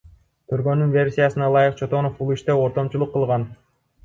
Тергөөнүн версиясына ылайык, Чотонов бул иште ортомчулук кылган.